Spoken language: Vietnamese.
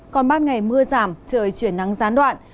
còn ban ngày mưa giảm trời chuyển nắng gián đoạn